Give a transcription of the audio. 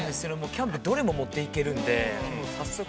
キャンプ、どれも持っていけるんで、早速。